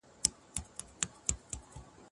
د دولت سیاستونه اقتصاد کلان اغیزمنوي.